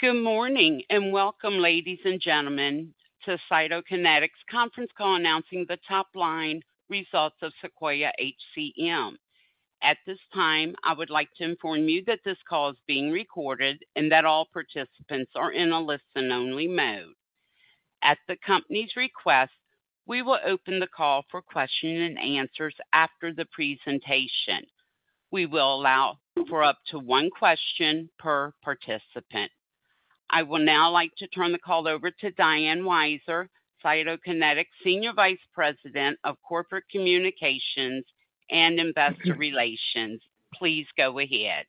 Good morning, and welcome, ladies and gentlemen, to Cytokinetics conference call, announcing the top-line results of SEQUOIA-HCM. At this time, I would like to inform you that this call is being recorded and that all participants are in a listen-only mode. At the company's request, we will open the call for questions and answers after the presentation. We will allow for up to one question per participant. I will now like to turn the call over to Diane Weiser, Cytokinetics Senior Vice President of Corporate Communications and Investor Relations. Please go ahead.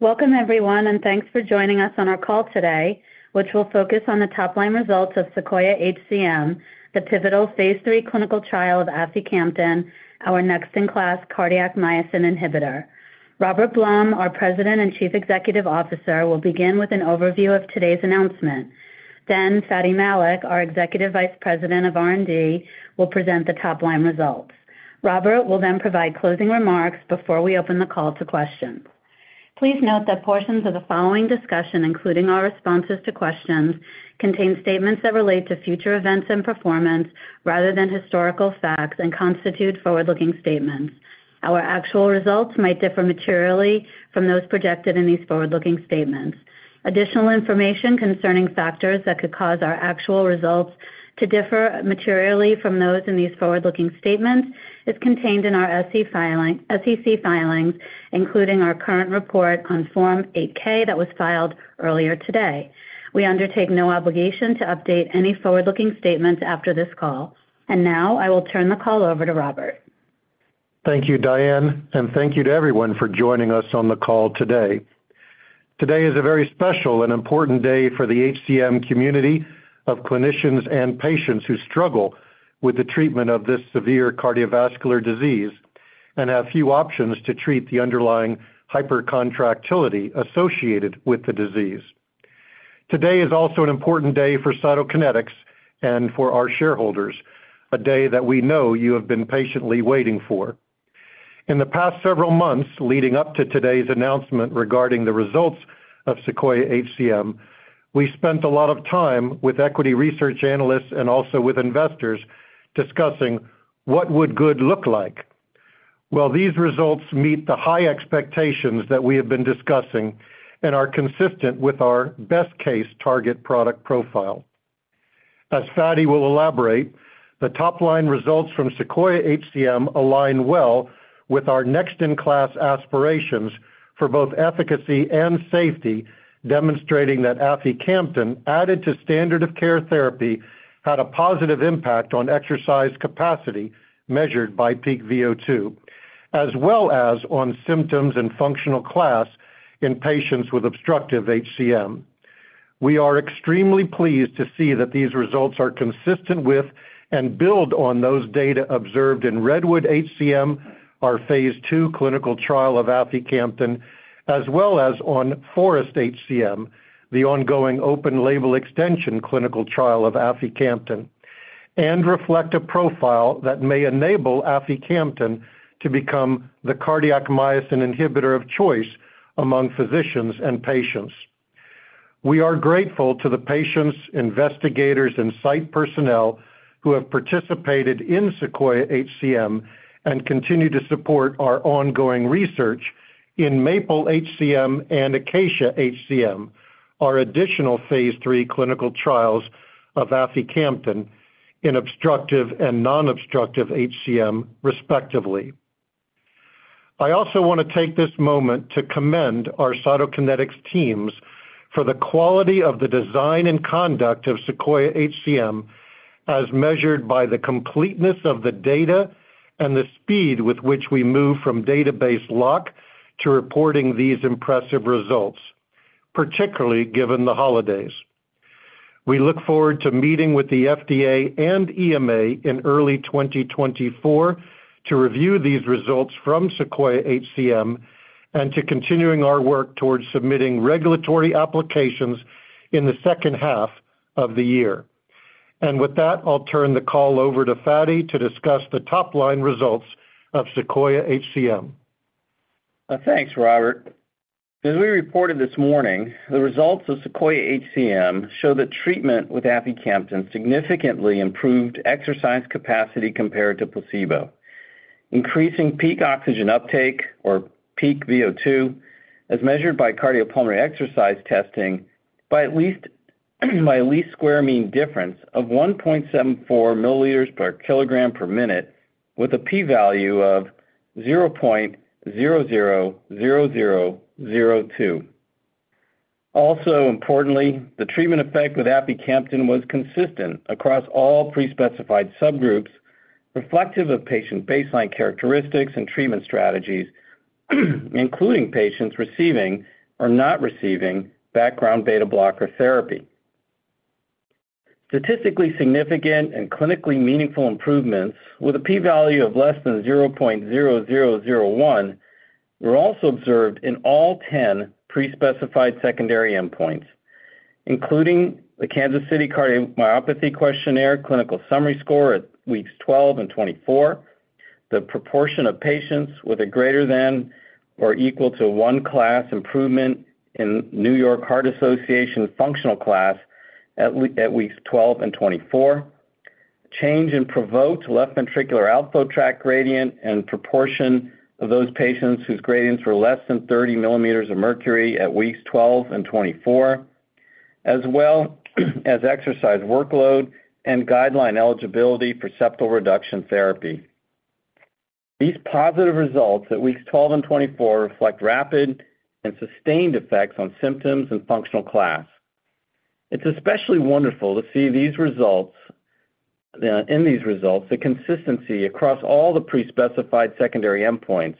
Welcome, everyone, and thanks for joining us on our call today, which will focus on the top-line results of SEQUOIA-HCM, the pivotal Phase Three clinical trial of aficamten, our next-in-class cardiac myosin inhibitor. Robert Blum, our President and Chief Executive Officer, will begin with an overview of today's announcement. Then Fady Malik, our Executive Vice President of R&D, will present the top-line results. Robert will then provide closing remarks before we open the call to questions. Please note that portions of the following discussion, including our responses to questions, contain statements that relate to future events and performance rather than historical facts and constitute forward-looking statements. Our actual results might differ materially from those projected in these forward-looking statements. Additional information concerning factors that could cause our actual results to differ materially from those in these forward-looking statements is contained in our SEC filings, including our current report on Form 8-K that was filed earlier today. We undertake no obligation to update any forward-looking statements after this call. Now I will turn the call over to Robert. Thank you, Diane, and thank you to everyone for joining us on the call today. Today is a very special and important day for the HCM community of clinicians and patients who struggle with the treatment of this severe cardiovascular disease and have few options to treat the underlying hypercontractility associated with the disease. Today is also an important day for Cytokinetics and for our shareholders, a day that we know you have been patiently waiting for. In the past several months, leading up to today's announcement regarding the results of SEQUOIA-HCM, we spent a lot of time with equity research analysts and also with investors discussing what would good look like. Well, these results meet the high expectations that we have been discussing and are consistent with our best-case target product profile. As Fady will elaborate, the top-line results from SEQUOIA-HCM align well with our next-in-class aspirations for both efficacy and safety, demonstrating that aficamten, added to standard of care therapy, had a positive impact on exercise capacity measured by peak VO2, as well as on symptoms and functional class in patients with obstructive HCM. We are extremely pleased to see that these results are consistent with and build on those data observed in REDWOOD-HCM, our phase II clinical trial of aficamten, as well as on FOREST-HCM, the ongoing open-label extension clinical trial of aficamten, and reflect a profile that may enable aficamten to become the cardiac myosin inhibitor of choice among physicians and patients. We are grateful to the patients, investigators, and site personnel who have participated in SEQUOIA-HCM and continue to support our ongoing research in MAPLE-HCM and ACACIA-HCM, our additional phase III clinical trials of aficamten in obstructive and non-obstructive HCM, respectively. I also want to take this moment to commend our Cytokinetics teams for the quality of the design and conduct of SEQUOIA-HCM, as measured by the completeness of the data and the speed with which we move from database lock to reporting these impressive results, particularly given the holidays. We look forward to meeting with the FDA and EMA in early 2024 to review these results from SEQUOIA-HCM and to continuing our work towards submitting regulatory applications in the second half of the year. With that, I'll turn the call over to Fady to discuss the top-line results of SEQUOIA-HCM. Thanks, Robert. As we reported this morning, the results of SEQUOIA-HCM show that treatment with aficamten significantly improved exercise capacity compared to placebo, increasing peak oxygen uptake or peak VO2, as measured by cardiopulmonary exercise testing, by least-squares mean difference of 1.74 mL per kg per minute, with a P value of 0.000002. Also, importantly, the treatment effect with aficamten was consistent across all pre-specified subgroups, reflective of patient baseline characteristics and treatment strategies, including patients receiving or not receiving background beta blocker therapy. Statistically significant and clinically meaningful improvements with a P value of less than 0.0001 were also observed in all 10 pre-specified secondary endpoints.... including the Kansas City Cardiomyopathy Questionnaire clinical summary score at weeks 12 and 24, the proportion of patients with a greater than or equal to one class improvement in New York Heart Association functional class at weeks 12 and 24. Change in provoked left ventricular outflow tract gradient and proportion of those patients whose gradients were less than 30 mm of mercury at weeks 12 and 24, as well as exercise workload and guideline eligibility for septal reduction therapy. These positive results at weeks 12 and 24 reflect rapid and sustained effects on symptoms and functional class. It's especially wonderful to see these results, in these results, the consistency across all the pre-specified secondary endpoints,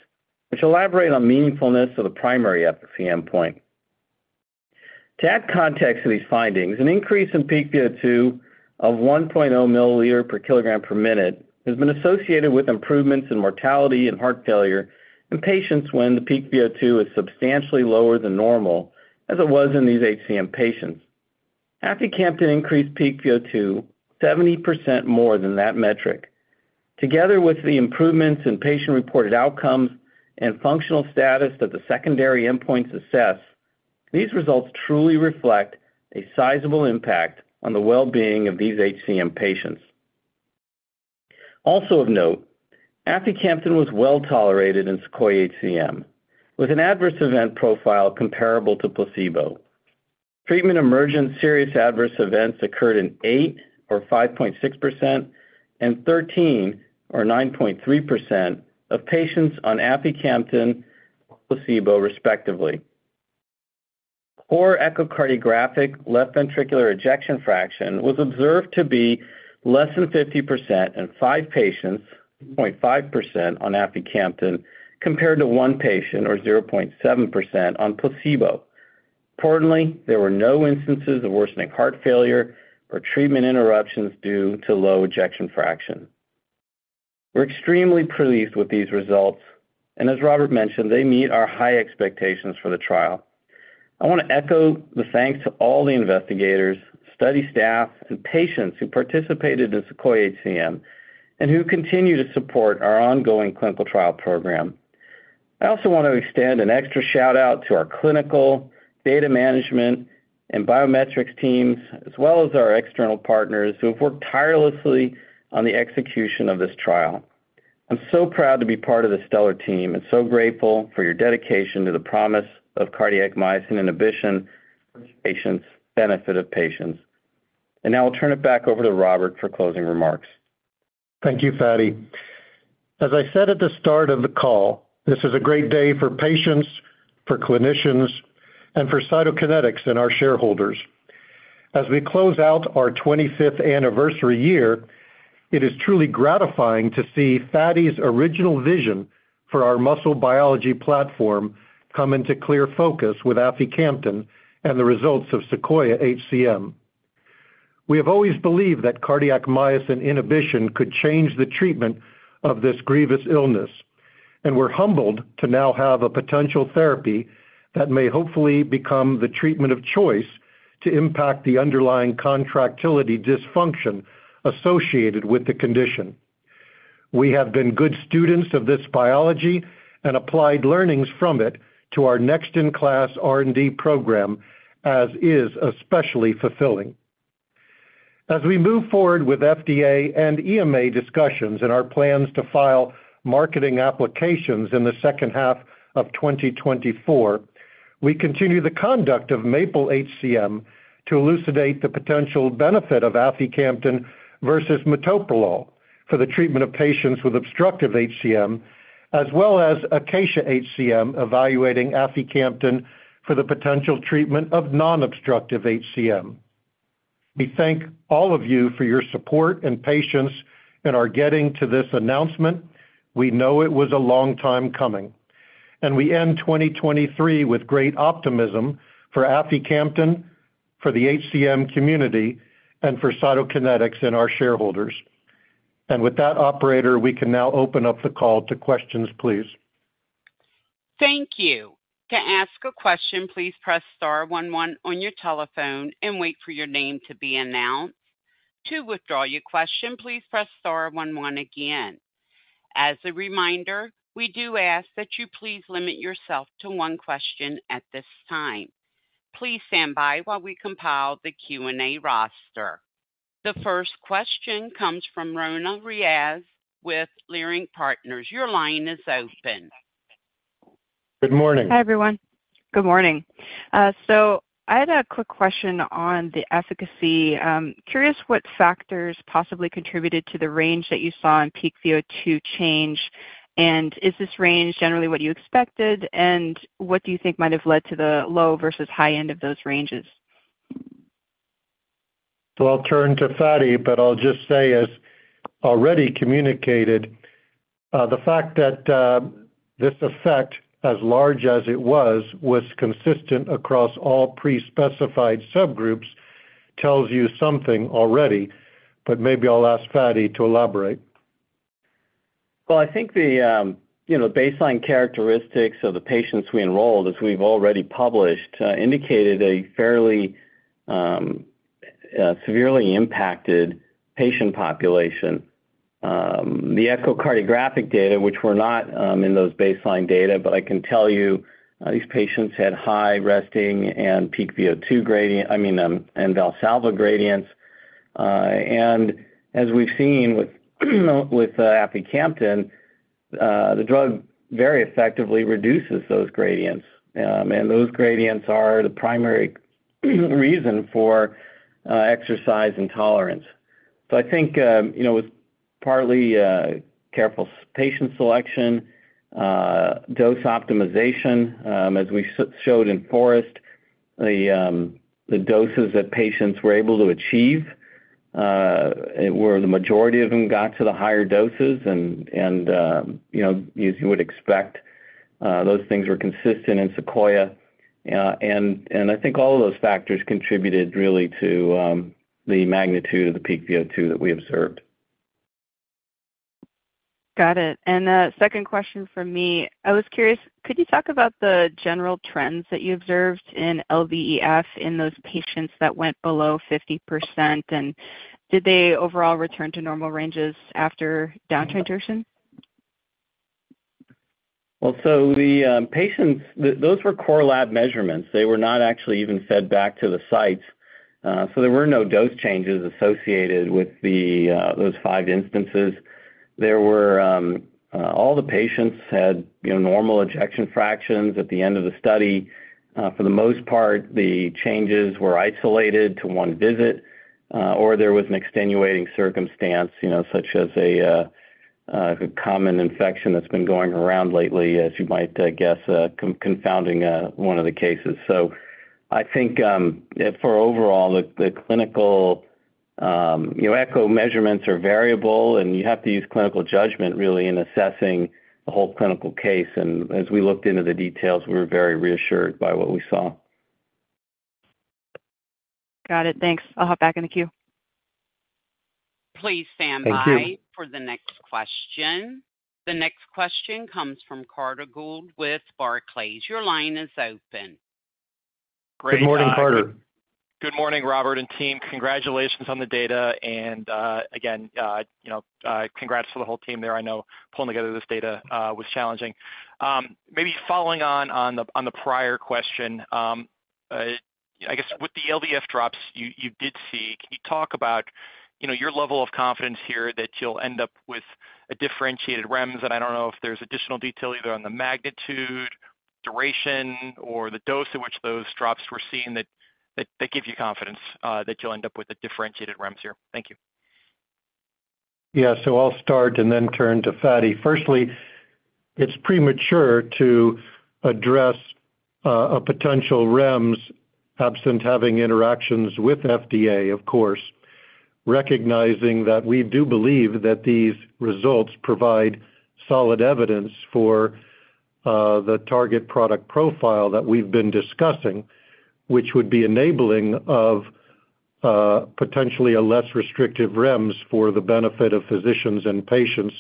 which elaborate on meaningfulness of the primary efficacy endpoint. To add context to these findings, an increase in peak VO2 of 1.0 milliliter per kg per minute has been associated with improvements in mortality and heart failure in patients when the peak VO2 is substantially lower than normal, as it was in these HCM patients. Aficamten increased peak VO2 70% more than that metric. Together with the improvements in patient-reported outcomes and functional status that the secondary endpoints assess, these results truly reflect a sizable impact on the well-being of these HCM patients. Also of note, aficamten was well-tolerated in SEQUOIA-HCM, with an adverse event profile comparable to placebo. Treatment-emergent serious adverse events occurred in eight, or 5.6%, and 13, or 9.3%, of patients on aficamten placebo, respectively. Poor echocardiographic left ventricular ejection fraction was observed to be less than 50% in five patients, 0.5% on aficamten, compared to one patient or 0.7% on placebo. Importantly, there were no instances of worsening heart failure or treatment interruptions due to low ejection fraction. We're extremely pleased with these results, and as Robert mentioned, they meet our high expectations for the trial. I want to echo the thanks to all the investigators, study staff, and patients who participated in SEQUOIA-HCM and who continue to support our ongoing clinical trial program. I also want to extend an extra shout-out to our clinical, data management, and biometrics teams, as well as our external partners, who have worked tirelessly on the execution of this trial. I'm so proud to be part of this stellar team and so grateful for your dedication to the promise of cardiac myosin inhibition for patients. Now I'll turn it back over to Robert for closing remarks. Thank you, Fady. As I said at the start of the call, this is a great day for patients, for clinicians, and for Cytokinetics and our shareholders. As we close out our 25th anniversary year, it is truly gratifying to see Fady's original vision for our muscle biology platform come into clear focus with aficamten and the results of SEQUOIA-HCM. We have always believed that cardiac myosin inhibition could change the treatment of this grievous illness, and we're humbled to now have a potential therapy that may hopefully become the treatment of choice to impact the underlying contractility dysfunction associated with the condition. We have been good students of this biology and applied learnings from it to our next-in-class R&D program, as is especially fulfilling. As we move forward with FDA and EMA discussions and our plans to file marketing applications in the second half of 2024, we continue the conduct of MAPLE-HCM to elucidate the potential benefit of aficamten versus metoprolol for the treatment of patients with obstructive HCM, as well as ACACIA-HCM, evaluating aficamten for the potential treatment of non-obstructive HCM. We thank all of you for your support and patience in our getting to this announcement. We know it was a long time coming, and we end 2023 with great optimism for aficamten, for the HCM community, and for Cytokinetics and our shareholders. And with that, operator, we can now open up the call to questions, please. Thank you. To ask a question, please press star one one on your telephone and wait for your name to be announced. To withdraw your question, please press star one one again. As a reminder, we do ask that you please limit yourself to one question at this time. Please stand by while we compile the Q&A roster. The first question comes from Roanna Ruiz with Leerink Partners. Your line is open. Good morning. Hi, everyone. Good morning. I had a quick question on the efficacy. Curious what factors possibly contributed to the range that you saw in peak VO2 change, and is this range generally what you expected? And what do you think might have led to the low versus high end of those ranges? So I'll turn to Fady, but I'll just say, as already communicated, the fact that this effect, as large as it was, was consistent across all pre-specified subgroups tells you something already, but maybe I'll ask Fady to elaborate. ... Well, I think the, you know, baseline characteristics of the patients we enrolled, as we've already published, indicated a fairly, severely impacted patient population. The echocardiographic data, which were not, in those baseline data, but I can tell you, these patients had high resting and peak VO2 gradient- I mean, and Valsalva gradients. And as we've seen with, with, aficamten, the drug very effectively reduces those gradients. And those gradients are the primary, reason for, exercise intolerance. So I think, you know, with partly, careful patient selection, dose optimization, as we showed in FOREST, the, the doses that patients were able to achieve, where the majority of them got to the higher doses, and, and, you know, as you would expect, those things were consistent in SEQUOIA. And I think all of those factors contributed really to the magnitude of the peak VO2 that we observed. Got it. A second question from me. I was curious, could you talk about the general trends that you observed in LVEF in those patients that went below 50%? Did they overall return to normal ranges after downtitration? Well, so the patients, those were core lab measurements. They were not actually even fed back to the sites, so there were no dose changes associated with those five instances. There were... All the patients had, you know, normal ejection fractions at the end of the study. For the most part, the changes were isolated to one visit, or there was an extenuating circumstance, you know, such as a common infection that's been going around lately, as you might guess, confounding one of the cases. So I think, for overall, the clinical, you know, echo measurements are variable, and you have to use clinical judgment really in assessing the whole clinical case. And as we looked into the details, we were very reassured by what we saw. Got it. Thanks. I'll hop back in the queue. Please stand by. Thank you. - for the next question. The next question comes from Carter Gould with Barclays. Your line is open. Good morning, Carter. Good morning, Robert and team. Congratulations on the data, and, again, you know, congrats to the whole team there. I know pulling together this data was challenging. Maybe following on the prior question, I guess with the LVEF drops you did see, can you talk about your level of confidence here that you'll end up with a differentiated REMS? And I don't know if there's additional detail either on the magnitude, duration, or the dose at which those drops were seen that give you confidence that you'll end up with a differentiated REMS here. Thank you. Yeah. So I'll start and then turn to Fady. Firstly, it's premature to address a potential REMS absent having interactions with FDA, of course, recognizing that we do believe that these results provide solid evidence for the target product profile that we've been discussing, which would be enabling of potentially a less restrictive REMS for the benefit of physicians and patients.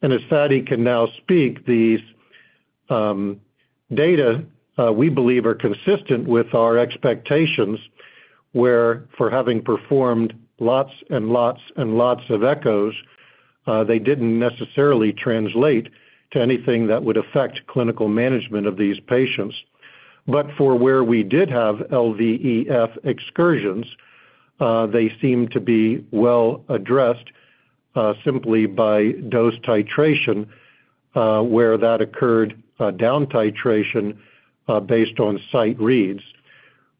And as Fady can now speak, these data we believe are consistent with our expectations, where for having performed lots and lots and lots of echos, they didn't necessarily translate to anything that would affect clinical management of these patients. But for where we did have LVEF excursions, they seem to be well addressed simply by dose titration, where that occurred, down titration based on site reads.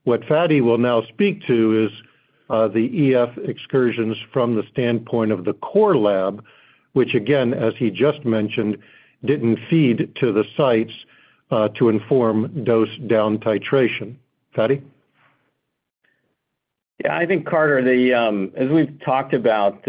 What Fady will now speak to is the EF excursions from the standpoint of the core lab, which again, as he just mentioned, didn't feed to the sites to inform dose down titration. Fady? Yeah, I think, Carter, the... As we've talked about,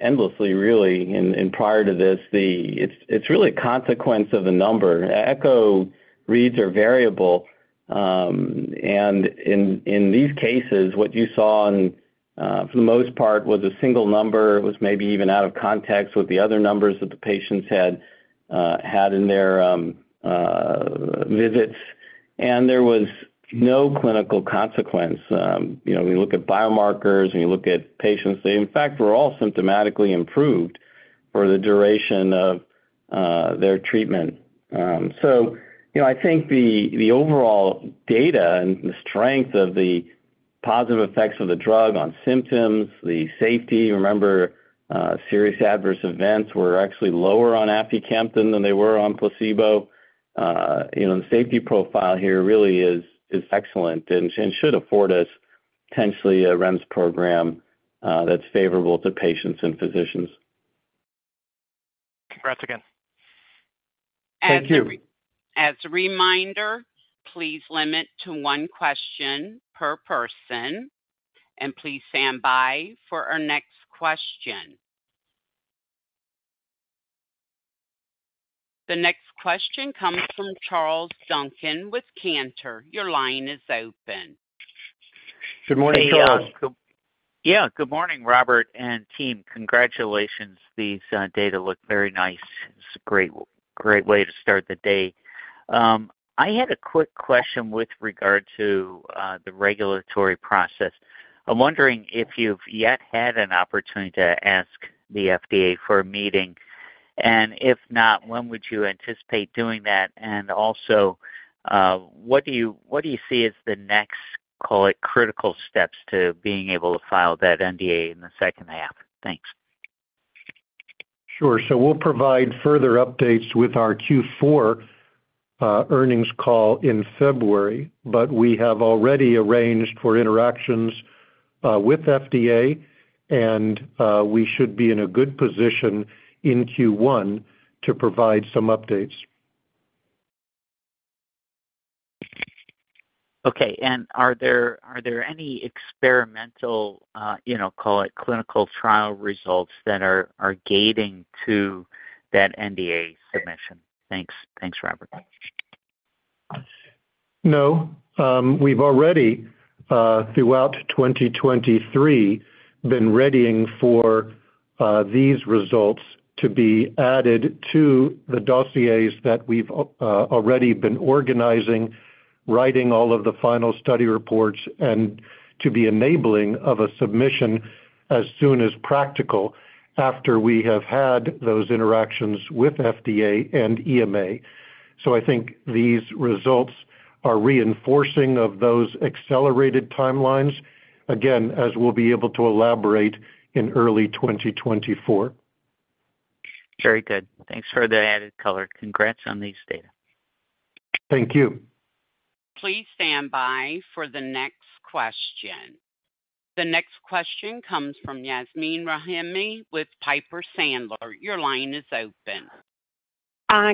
endlessly really and, and prior to this, it's really a consequence of the number. Echo reads are variable, and in, in these cases, what you saw and, for the most part, was a single number. It was maybe even out of context with the other numbers that the patients had had in their visits, and there was no clinical consequence. You know, we look at biomarkers, and you look at patients. They, in fact, were all symptomatically improved for the duration of their treatment. So, you know, I think the overall data and the strength of the positive effects of the drug on symptoms, the safety, remember, serious adverse events were actually lower on aficamten than they were on placebo. You know, the safety profile here really is excellent and should afford us potentially a REMS program that's favorable to patients and physicians. Congrats again. Thank you. As a reminder, please limit to one question per person, and please stand by for our next question. The next question comes from Charles Duncan with Cantor. Your line is open. Good morning, Charles. Yeah. Good morning, Robert and team. Congratulations. These data look very nice. It's a great, great way to start the day. I had a quick question with regard to the regulatory process. I'm wondering if you've yet had an opportunity to ask the FDA for a meeting, and if not, when would you anticipate doing that? And also, what do you see as the next, call it, critical steps to being able to file that NDA in the second half? Thanks. Sure. So we'll provide further updates with our Q4 earnings call in February, but we have already arranged for interactions with FDA, and we should be in a good position in Q1 to provide some updates. Okay. Are there, are there any experimental, you know, call it, clinical trial results that are, are gating to that NDA submission? Thanks. Thanks, Robert. No. We've already, throughout 2023, been readying for these results to be added to the dossiers that we've already been organizing, writing all of the final study reports, and to be enabling of a submission as soon as practical after we have had those interactions with FDA and EMA. So I think these results are reinforcing of those accelerated timelines, again, as we'll be able to elaborate in early 2024. Very good. Thanks for the added color. Congrats on these data. Thank you. Please stand by for the next question. The next question comes from Yasmeen Rahimi with Piper Sandler. Your line is open.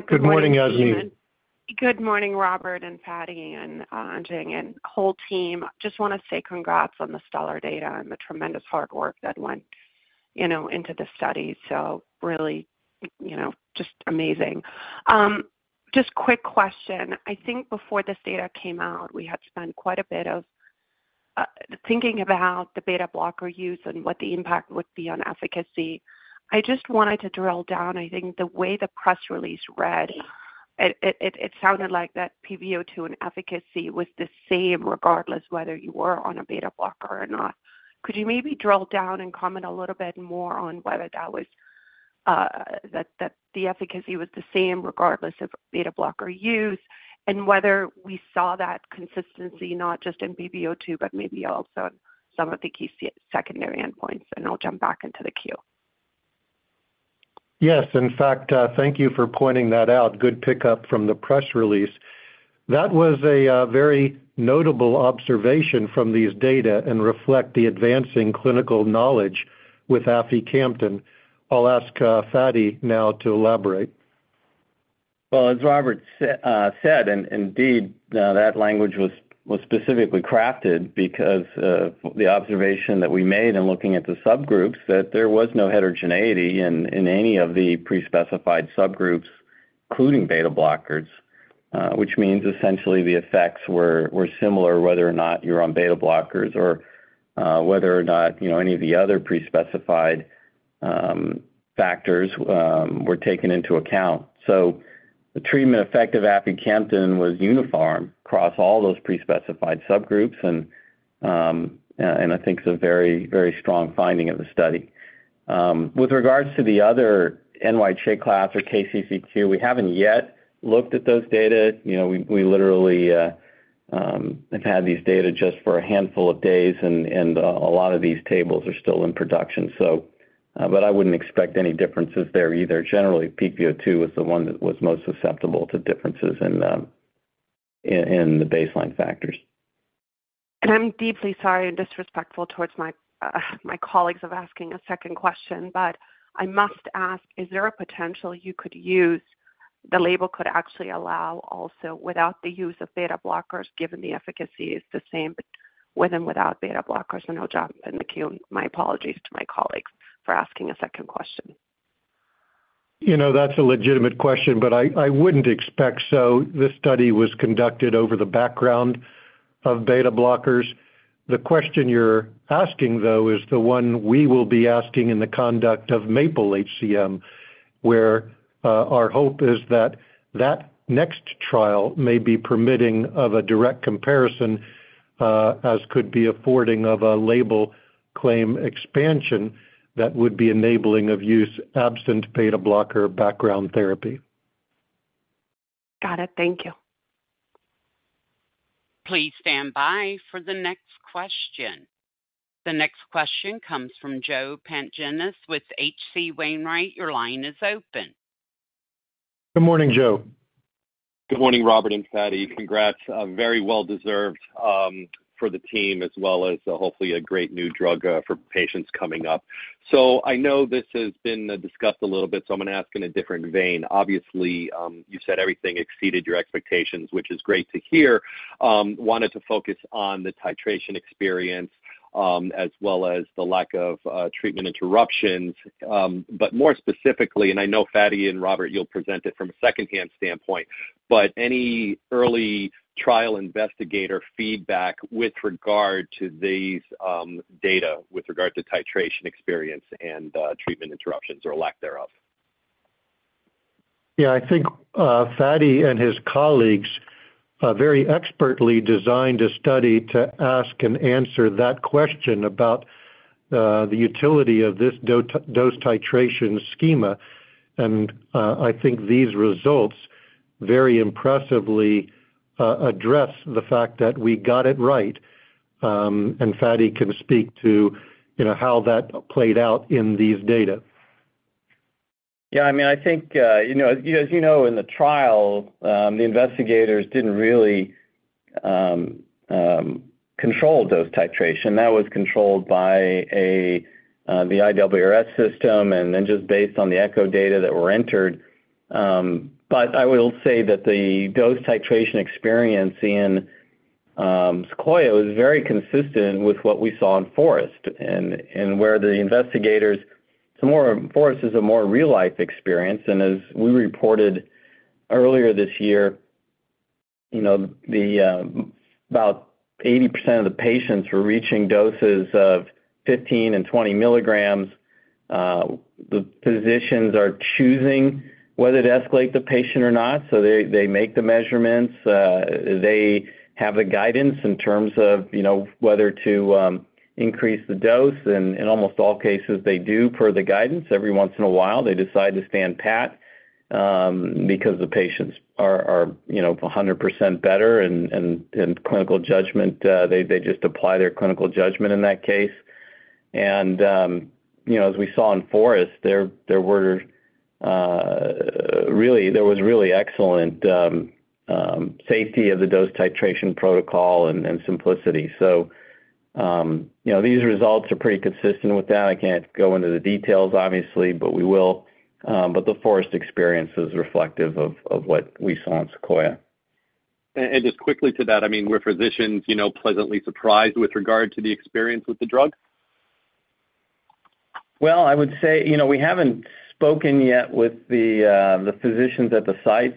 Good morning, Yasmin. Good morning, Robert and Fady and, Ching and whole team. Just want to say congrats on the stellar data and the tremendous hard work that went, you know, into this study. So really, you know, just amazing. Just quick question. I think before this data came out, we had spent quite a bit of thinking about the beta blocker use and what the impact would be on efficacy. I just wanted to drill down. I think the way the press release read, it, it, it sounded like that PVO2 and efficacy was the same, regardless whether you were on a beta blocker or not. Could you maybe drill down and comment a little bit more on whether that was, that the efficacy was the same regardless of beta blocker use, and whether we saw that consistency, not just in PVO2, but maybe also in some of the key secondary endpoints? I'll jump back into the queue. Yes. In fact, thank you for pointing that out. Good pickup from the press release. That was a very notable observation from these data and reflect the advancing clinical knowledge with aficamten. I'll ask Fady now to elaborate. Well, as Robert said, and indeed, that language was specifically crafted because of the observation that we made in looking at the subgroups, that there was no heterogeneity in any of the pre-specified subgroups, including beta blockers. Which means essentially the effects were similar, whether or not you're on beta blockers or whether or not, you know, any of the other pre-specified factors were taken into account. So the treatment effect of aficamten was uniform across all those pre-specified subgroups, and I think it's a very, very strong finding of the study. With regards to the other NYHA class or KCCQ, we haven't yet looked at those data. You know, we literally have had these data just for a handful of days, and a lot of these tables are still in production, so. But I wouldn't expect any differences there either. Generally, peak VO2 is the one that was most susceptible to differences in the baseline factors. I'm deeply sorry and disrespectful towards my colleagues for asking a second question, but I must ask, is there a potential you could use the label could actually allow also without the use of beta blockers, given the efficacy is the same with and without beta blockers? I'll jump in the queue. My apologies to my colleagues for asking a second question. You know, that's a legitimate question, but I, I wouldn't expect so. This study was conducted over the background of beta blockers. The question you're asking, though, is the one we will be asking in the conduct of MAPLE-HCM, where our hope is that, that next trial may be permitting of a direct comparison, as could be affording of a label claim expansion that would be enabling of use, absent beta blocker background therapy. Got it. Thank you. Please stand by for the next question. The next question comes from Joseph Pantginis with H.C. Wainwright. Your line is open. Good morning, Joe. Good morning, Robert and Fady. Congrats, very well deserved, for the team, as well as hopefully a great new drug, for patients coming up. So I know this has been discussed a little bit, so I'm going to ask in a different vein. Obviously, you said everything exceeded your expectations, which is great to hear. Wanted to focus on the titration experience, as well as the lack of treatment interruptions. But more specifically, and I know Fady and Robert, you'll present it from a secondhand standpoint, but any early trial investigator feedback with regard to these data, with regard to titration experience and treatment interruptions or lack thereof? Yeah, I think, Fady and his colleagues very expertly designed a study to ask and answer that question about the utility of this dose titration schema. And I think these results very impressively address the fact that we got it right. And Fady can speak to, you know, how that played out in these data. Yeah, I mean, I think, you know, as you know, in the trial, the investigators didn't really control dose titration. That was controlled by the IWRS system, and then just based on the echo data that were entered. But I will say that the dose titration experience in SEQUOIA was very consistent with what we saw in FOREST. And where the investigators, it's more, FOREST is a more real-life experience, and as we reported earlier this year, you know, about 80% of the patients were reaching doses of 15 and 20 mg. The physicians are choosing whether to escalate the patient or not, so they make the measurements. They have the guidance in terms of, you know, whether to increase the dose, and in almost all cases, they do per the guidance. Every once in a while, they decide to stand pat because the patients are, you know, 100% better, and clinical judgment, they just apply their clinical judgment in that case. You know, as we saw in FOREST, there was really excellent safety of the dose titration protocol and simplicity. So, you know, these results are pretty consistent with that. I can't go into the details, obviously, but we will. But the FOREST experience is reflective of what we saw in SEQUOIA. And just quickly to that, I mean, were physicians, you know, pleasantly surprised with regard to the experience with the drug? Well, I would say, you know, we haven't spoken yet with the physicians at the sites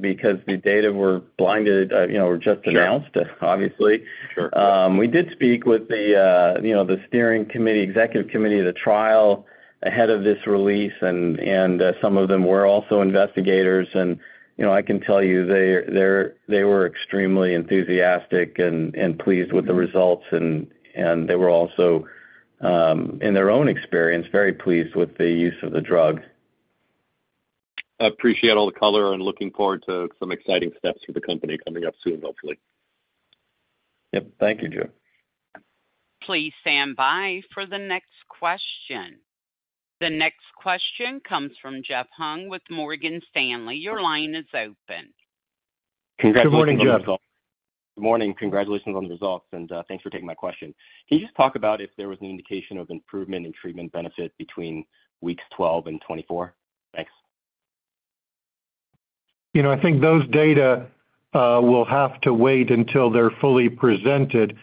because the data were blinded, you know, were just announced- Sure. - obviously. Sure. We did speak with the, you know, the steering committee, executive committee of the trial ahead of this release, and some of them were also investigators. You know, I can tell you they were extremely enthusiastic and pleased with the results. They were also, in their own experience, very pleased with the use of the drug. I appreciate all the color and looking forward to some exciting steps for the company coming up soon, hopefully. Yep. Thank you, Joe. Please stand by for the next question. The next question comes from Jeff Hung with Morgan Stanley. Your line is open. Good morning, Jeff. Good morning. Congratulations on the results, and, thanks for taking my question. Can you just talk about if there was an indication of improvement in treatment benefit between weeks 12 and 24? Thanks. You know, I think those data will have to wait until they're fully presented,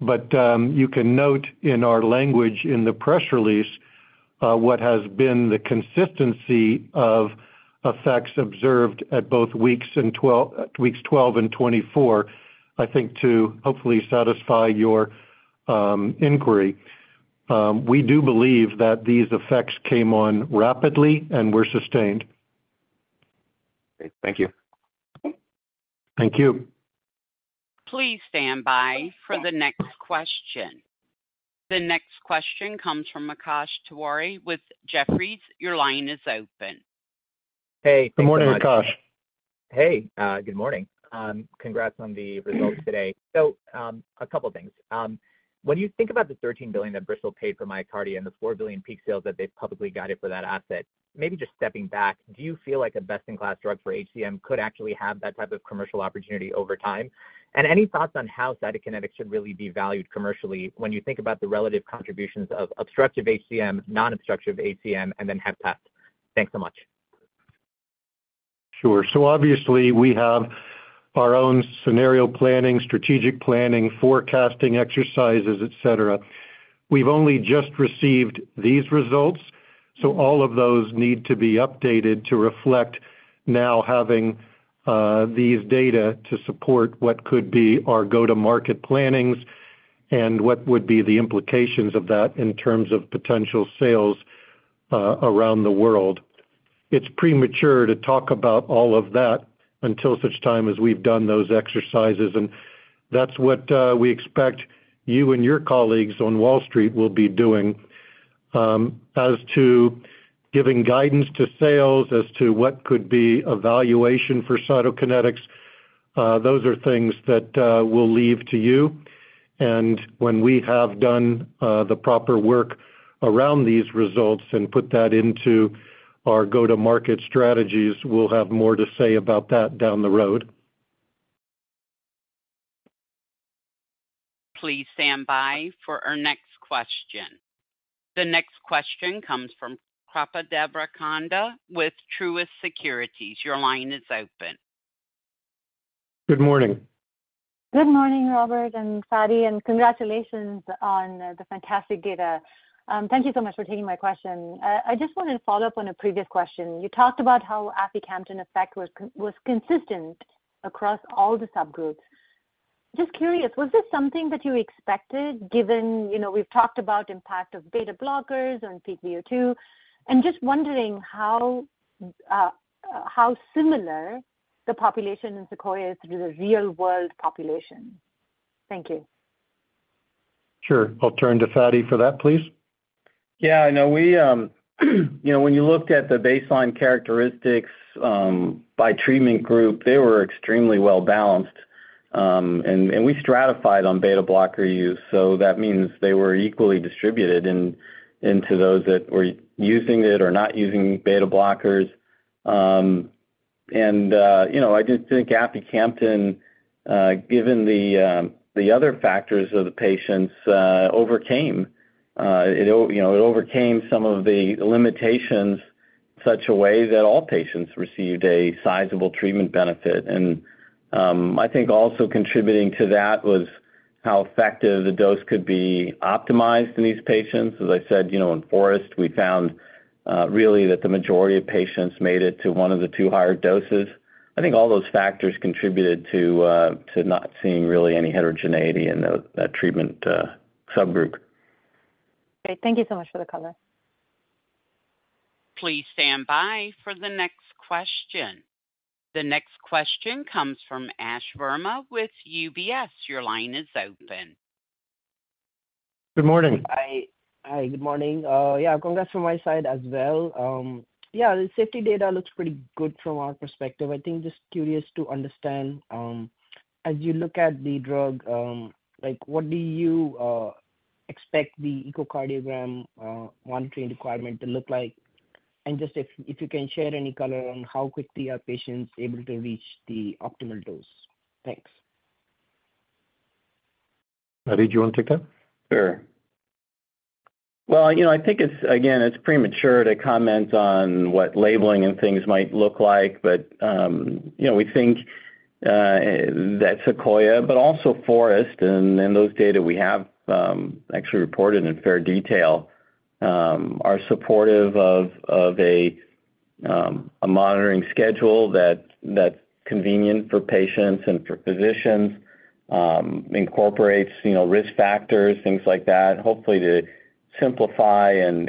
but you can note in our language in the press release what has been the consistency of effects observed at weeks 12 and 24, I think, to hopefully satisfy your inquiry. We do believe that these effects came on rapidly and were sustained. Great. Thank you. Thank you. Please stand by for the next question. The next question comes from Akash Tewari with Jefferies. Your line is open. Hey, thank you much- Good morning, Akash. Hey, good morning. Congrats on the results today. So, a couple things. When you think about the $13 billion that Bristol paid for MyoKardia and the $4 billion peak sales that they've publicly guided for that asset, maybe just stepping back, do you feel like a best-in-class drug for HCM could actually have that type of commercial opportunity over time? And any thoughts on how Cytokinetics should really be valued commercially when you think about the relative contributions of obstructive HCM, non-obstructive HCM, and then HFpEF? Thanks so much. Sure. So obviously, we have our own scenario planning, strategic planning, forecasting exercises, et cetera. We've only just received these results, so all of those need to be updated to reflect now having these data to support what could be our go-to-market plannings and what would be the implications of that in terms of potential sales around the world. It's premature to talk about all of that until such time as we've done those exercises, and that's what we expect you and your colleagues on Wall Street will be doing. As to giving guidance to sales as to what could be a valuation for Cytokinetics, those are things that we'll leave to you. And when we have done the proper work around these results and put that into our go-to-market strategies, we'll have more to say about that down the road. Please stand by for our next question. The next question comes from Srikripa Devarakonda with Truist Securities. Your line is open. Good morning. Good morning, Robert and Fady, and congratulations on the fantastic data. Thank you so much for taking my question. I just wanted to follow up on a previous question. You talked about how aficamten effect was consistent across all the subgroups. Just curious, was this something that you expected, given, you know, we've talked about impact of beta blockers on peak VO2, and just wondering how similar the population in SEQUOIA is to the real-world population? Thank you. Sure. I'll turn to Fady for that, please. Yeah, I know we, you know, when you looked at the baseline characteristics, by treatment group, they were extremely well balanced. And, and we stratified on beta blocker use, so that means they were equally distributed in, into those that were using it or not using beta blockers. And, you know, I just think aficamten, given the, the other factors of the patients, overcame, it you know, it overcame some of the limitations in such a way that all patients received a sizable treatment benefit. And, I think also contributing to that was how effective the dose could be optimized in these patients. As I said, you know, in FOREST, we found, really that the majority of patients made it to one of the two higher doses. I think all those factors contributed to not seeing really any heterogeneity in that treatment subgroup. Great. Thank you so much for the color. Please stand by for the next question. The next question comes from Ash Verma with UBS. Your line is open. Good morning. Hi. Hi, good morning. Yeah, congrats from my side as well. Yeah, the safety data looks pretty good from our perspective. I think just curious to understand, as you look at the drug, like, what do you expect the echocardiogram monitoring requirement to look like? And just if you can share any color on how quickly are patients able to reach the optimal dose? Thanks. Fady, do you want to take that? Sure. Well, you know, I think it's, again, it's premature to comment on what labeling and things might look like. But, you know, we think that SEQUOIA, but also FOREST, and those data we have actually reported in fair detail are supportive of a monitoring schedule that's convenient for patients and for physicians, incorporates, you know, risk factors, things like that, hopefully to simplify and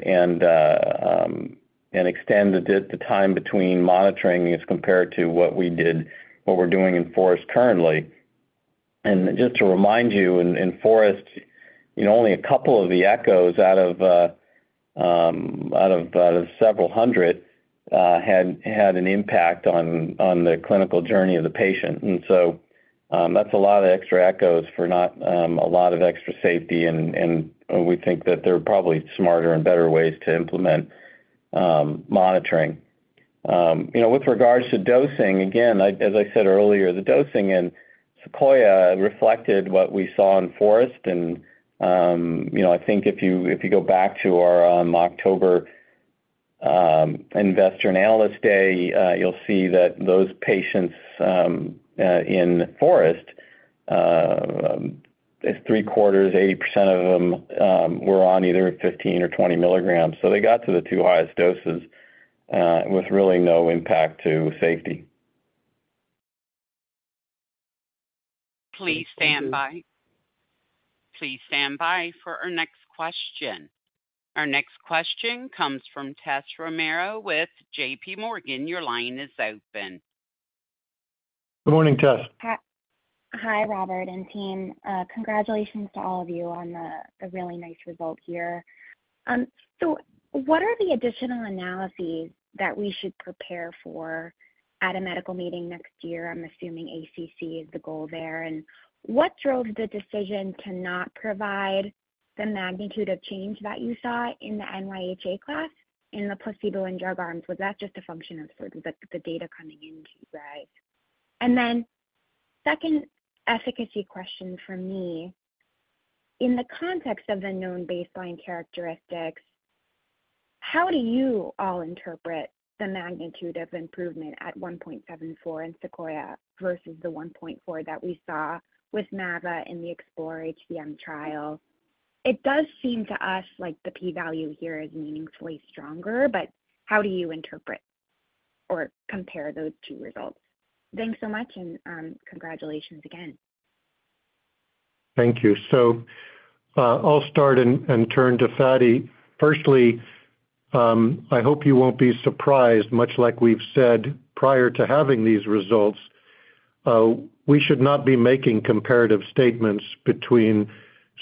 extend the time between monitoring as compared to what we did, what we're doing in FOREST currently. And just to remind you, in FOREST, you know, only a couple of the echoes out of several hundred had an impact on the clinical journey of the patient. That's a lot of extra echoes for not a lot of extra safety, and we think that there are probably smarter and better ways to implement monitoring. You know, with regards to dosing, again, I, as I said earlier, the dosing in SEQUOIA reflected what we saw in FOREST. And, you know, I think if you, if you go back to our, October, Investor and Analyst Day, you'll see that those patients, in FOREST, three-quarters, 80% of them, were on either 15mg or 20 mg. So they got to the two highest doses, with really no impact to safety. Please stand by. Please stand by for our next question. Our next question comes from Tessa Romero with JPMorgan. Your line is open. Good morning, Tess. Hi, hi, Robert and team. Congratulations to all of you on the really nice result here. So what are the additional analyses that we should prepare for at a medical meeting next year? I'm assuming ACC is the goal there. And what drove the decision to not provide the magnitude of change that you saw in the NYHA class in the placebo and drug arms? Was that just a function of sort of the data coming into you guys? And then second efficacy question from me: In the context of the known baseline characteristics, how do you all interpret the magnitude of improvement at 1.74 in SEQUOIA versus the 1.4 that we saw with mava in the EXPLORER-HCM trial? It does seem to us like the p-value here is meaningfully stronger, but how do you interpret or compare those two results? Thanks so much, and congratulations again. Thank you. So, I'll start and turn to Fady. Firstly, I hope you won't be surprised, much like we've said prior to having these results, we should not be making comparative statements between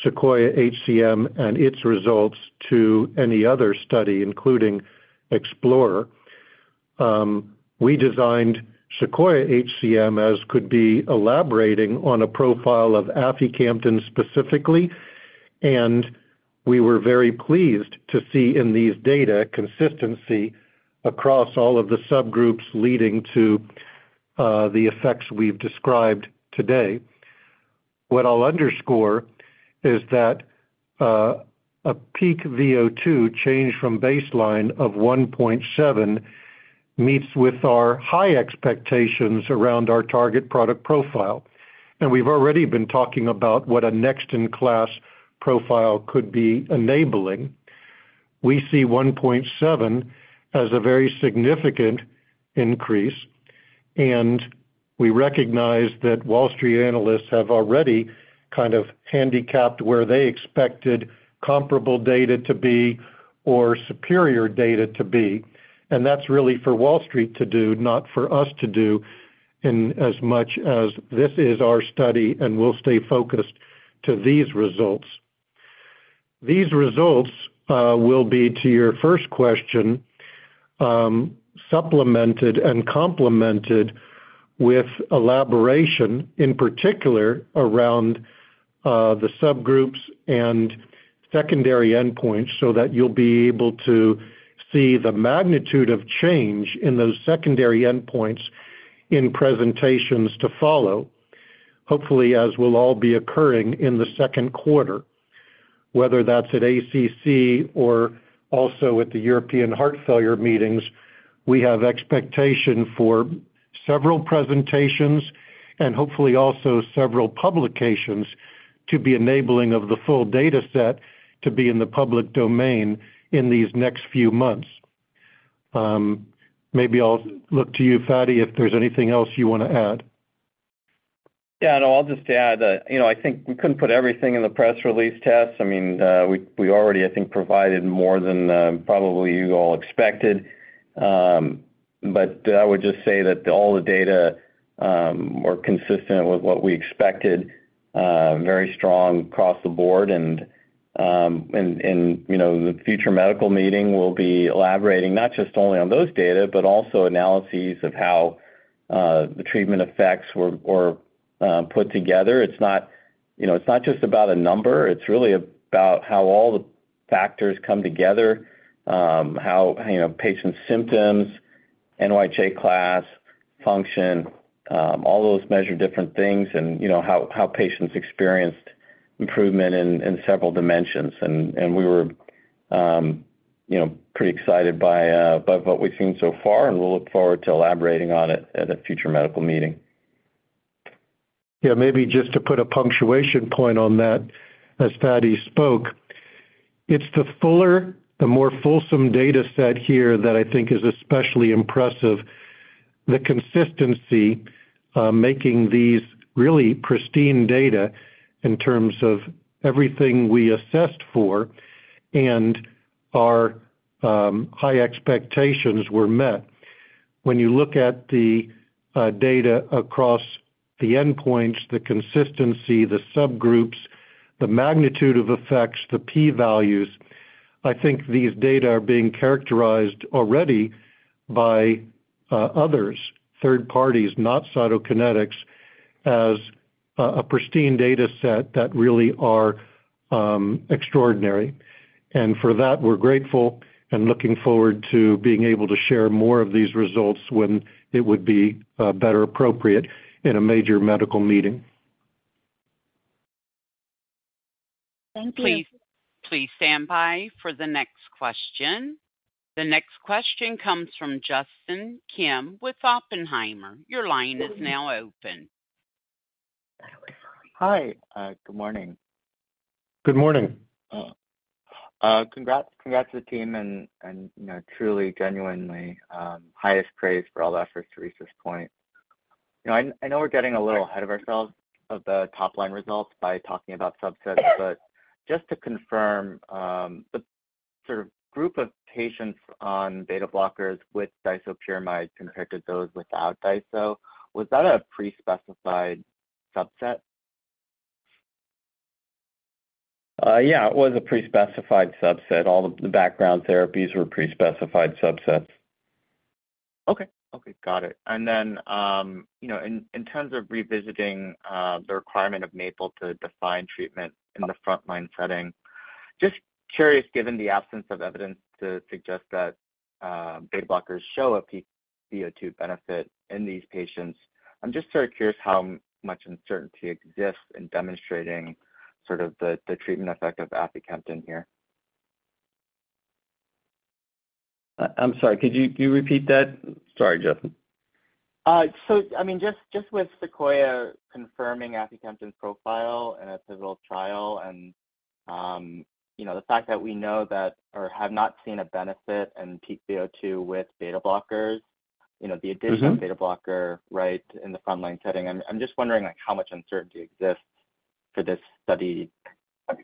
SEQUOIA-HCM and its results to any other study, including EXPLORER. We designed SEQUOIA-HCM, as Fady could be elaborating on a profile of aficamten specifically, and we were very pleased to see in these data consistency across all of the subgroups leading to the effects we've described today... What I'll underscore is that a peak VO2 change from baseline of 1.7 meets with our high expectations around our target product profile. And we've already been talking about what a next-in-class profile could be enabling. We see 1.7 as a very significant increase, and we recognize that Wall Street analysts have already kind of handicapped where they expected comparable data to be or superior data to be, and that's really for Wall Street to do, not for us to do, in as much as this is our study, and we'll stay focused to these results. These results will be, to your first question, supplemented and complemented with elaboration, in particular around the subgroups and secondary endpoints, so that you'll be able to see the magnitude of change in those secondary endpoints in presentations to follow. Hopefully, as will all be occurring in the second quarter, whether that's at ACC or also at the European Heart Failure meetings, we have expectation for several presentations and hopefully also several publications to be enabling of the full data set to be in the public domain in these next few months. Maybe I'll look to you, Fady, if there's anything else you want to add. Yeah, no, I'll just add that, you know, I think we couldn't put everything in the press release text. I mean, we already, I think, provided more than probably you all expected. But I would just say that all the data were consistent with what we expected, very strong across the board. And, you know, the future medical meeting will be elaborating not just only on those data, but also analyses of how the treatment effects were put together. It's not, you know, it's not just about a number, it's really about how all the factors come together, how, you know, patients' symptoms, NYHA class, function, all those measure different things and, you know, how patients experienced improvement in several dimensions. We were, you know, pretty excited by what we've seen so far, and we'll look forward to elaborating on it at a future medical meeting. Yeah, maybe just to put a punctuation point on that, as Fady spoke, it's the fuller, the more fulsome data set here that I think is especially impressive. The consistency, making these really pristine data in terms of everything we assessed for and our, high expectations were met. When you look at the data across the endpoints, the consistency, the subgroups, the magnitude of effects, the p values, I think these data are being characterized already by, others, third parties, not Cytokinetics, as a pristine data set that really are extraordinary. And for that, we're grateful and looking forward to being able to share more of these results when it would be better appropriate in a major medical meeting. Thank you. Please, please stand by for the next question. The next question comes from Justin Kim with Oppenheimer. Your line is now open. Hi. Good morning. Good morning. Congrats, congrats to the team and, you know, truly, genuinely, highest praise for all the efforts to reach this point. You know, I know we're getting a little ahead of ourselves of the top-line results by talking about subsets, but just to confirm, the sort of group of patients on beta blockers with disopyramide compared to those without diso, was that a pre-specified subset? Yeah, it was a pre-specified subset. All the background therapies were pre-specified subsets. Okay. Okay, got it. And then, you know, in terms of revisiting the requirement of MAPLE to define treatment in the frontline setting, just curious, given the absence of evidence to suggest that beta blockers show a peak VO2 benefit in these patients, I'm just sort of curious how much uncertainty exists in demonstrating the treatment effect of aficamten here. I'm sorry. Could you, could you repeat that? Sorry, Justin. So I mean, just with SEQUOIA confirming aficamten's profile in a pivotal trial and, you know, the fact that we know that or have not seen a benefit in peak VO2 with beta blockers, you know, the- Mm-hmm. addition of beta blocker, right, in the frontline setting, I'm just wondering, like, how much uncertainty exists for this study,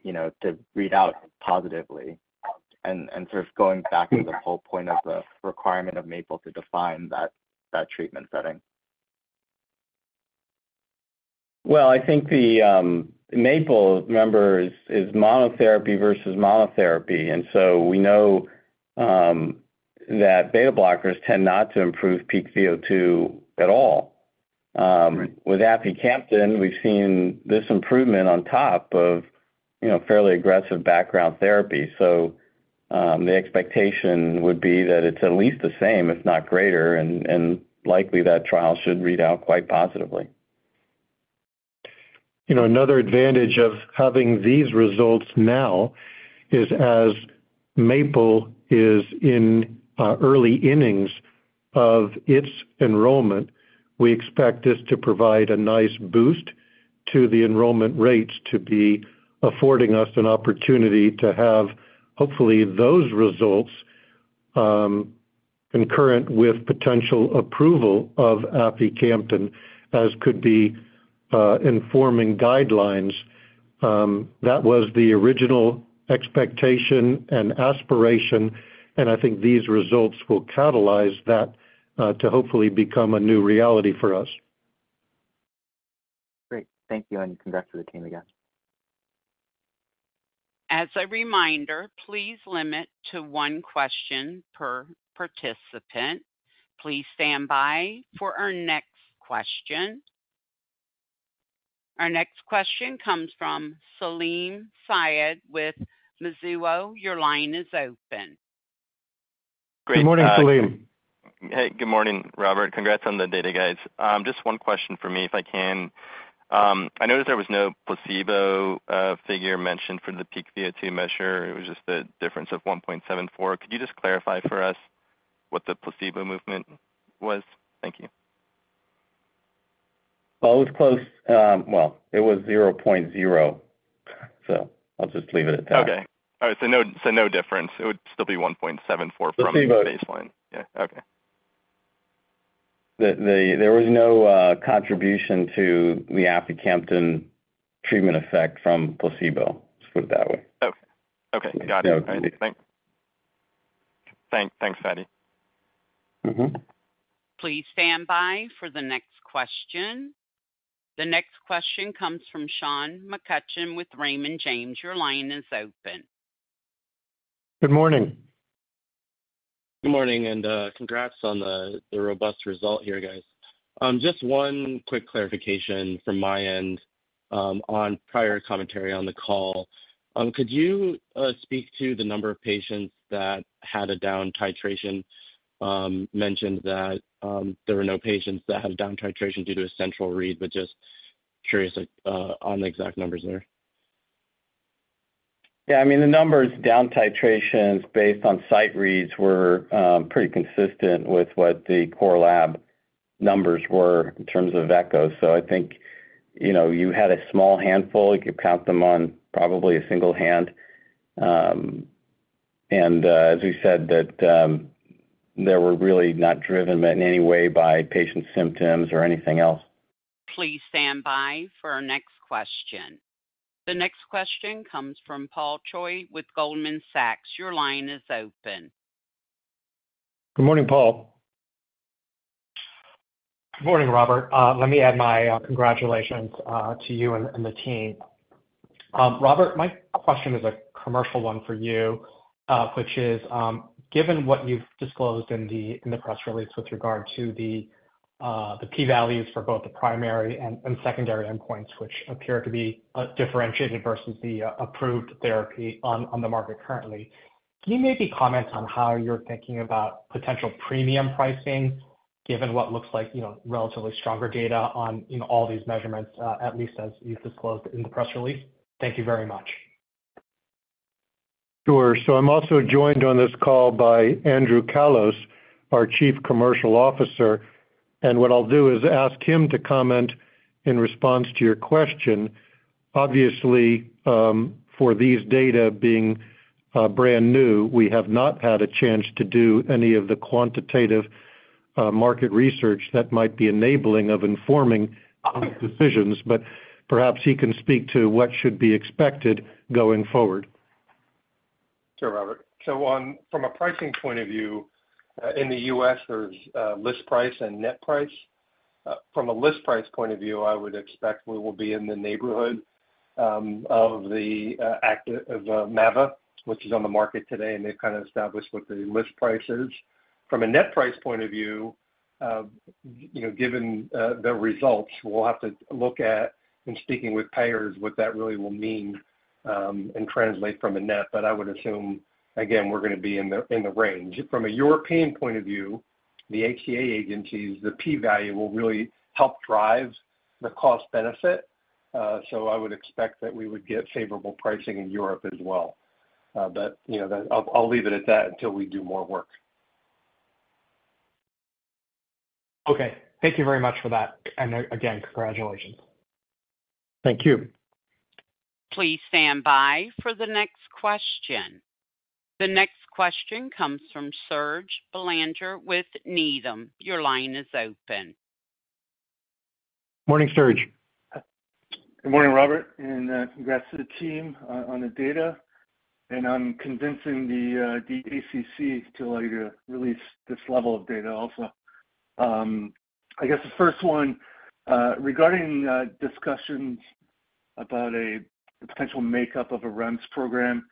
you know, to read out positively and sort of going back to the whole point of the requirement of MAPLE to define that treatment setting. Well, I think the MAPLE, remember, is monotherapy versus monotherapy. And so we know that beta blockers tend not to improve peak VO2 at all. Right. With aficamten, we've seen this improvement on top of, you know, fairly aggressive background therapy. So, the expectation would be that it's at least the same, if not greater, and likely that trial should read out quite positively. You know, another advantage of having these results now is, as MAPLE is in early innings of its enrollment, we expect this to provide a nice boost to the enrollment rates to be affording us an opportunity to have, hopefully, those results concurrent with potential approval of aficamten, as could be informing guidelines. That was the original expectation and aspiration, and I think these results will catalyze that to hopefully become a new reality for us. Great. Thank you, and congrats to the team again. As a reminder, please limit to one question per participant. Please stand by for our next question. Our next question comes from Salim Syed with Mizuho. Your line is open. Good morning, Salim. Hey, good morning, Robert. Congrats on the data, guys. Just one question for me, if I can. I noticed there was no placebo figure mentioned for the peak VO2 measure. It was just a difference of 1.74. Could you just clarify for us what the placebo movement was? Thank you. Well, it was close. Well, it was 0.0, so I'll just leave it at that. Okay. All right, so no, so no difference. It would still be 1.74 from- Placebo. Baseline. Yeah. Okay. There was no contribution to the aficamten treatment effect from placebo. Let's put it that way. Okay. Okay, got it. Yeah. Thanks. Thanks, Fady. Mm-hmm. Please stand by for the next question. The next question comes from Sean McCutcheon with Raymond James. Your line is open. Good morning. Good morning, and congrats on the robust result here, guys. Just one quick clarification from my end on prior commentary on the call. Could you speak to the number of patients that had a down titration, mentioned that there were no patients that had a down titration due to a central read, but just curious on the exact numbers there? Yeah, I mean, the numbers down titrations based on site reads were pretty consistent with what the core lab numbers were in terms of echo. So I think, you know, you had a small handful. You could count them on probably a single hand. And, as we said, that they were really not driven in any way by patient symptoms or anything else. Please stand by for our next question. The next question comes from Paul Choi with Goldman Sachs. Your line is open. Good morning, Paul. Good morning, Robert. Let me add my congratulations to you and the team. Robert, my question is a commercial one for you, which is, given what you've disclosed in the press release with regard to the p-values for both the primary and secondary endpoints, which appear to be differentiated versus the approved therapy on the market currently, can you maybe comment on how you're thinking about potential premium pricing, given what looks like, you know, relatively stronger data on, you know, all these measurements, at least as you've disclosed in the press release? Thank you very much. Sure. So I'm also joined on this call by Andrew Callos, our Chief Commercial Officer, and what I'll do is ask him to comment in response to your question. Obviously, for these data being brand new, we have not had a chance to do any of the quantitative market research that might be enabling of informing decisions, but perhaps he can speak to what should be expected going forward. Sure, Robert. So, from a pricing point of view, in the U.S., there's list price and net price. From a list price point of view, I would expect we will be in the neighborhood of the active of Mava, which is on the market today, and they've kind of established what the list price is. From a net price point of view, you know, given the results, we'll have to look at, in speaking with payers, what that really will mean, and translate from a net, but I would assume, again, we're gonna be in the range. From a European point of view, the HTA agencies, the P&R, will really help drive the cost benefit. So I would expect that we would get favorable pricing in Europe as well. But, you know, I'll leave it at that until we do more work. Okay. Thank you very much for that. And, again, congratulations. Thank you. Please stand by for the next question. The next question comes from Serge Belanger with Needham. Your line is open. Morning, Serge. Good morning, Robert, and, congrats to the team on the data, and on convincing the, the ACC to allow you to release this level of data also. I guess the first one, regarding, discussions about a potential makeup of a REMS program.